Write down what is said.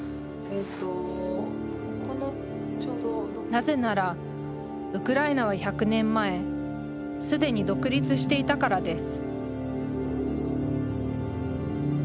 なぜならウクライナは１００年前既に独立していたからです